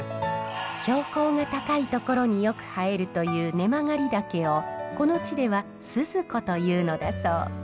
標高が高い所によく生えるという根曲がり竹をこの地ではスズコというのだそう。